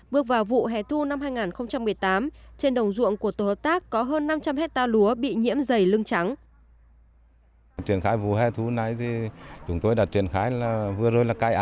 bước vào vụ hẻ thu năm hai nghìn một mươi tám trên đồng ruộng của tổ hợp tác có hơn năm trăm linh hectare lúa bị nhiễm dày lưng trắng